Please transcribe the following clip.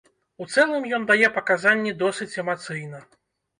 У цэлым ён дае паказанні досыць эмацыйна.